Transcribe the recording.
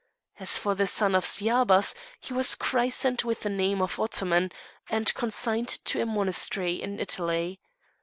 As for the son of Sciabas, he was christened with the name of Ottoman, and consigned to a monastery in Italy.